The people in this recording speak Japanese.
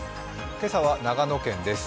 今朝は長野県です。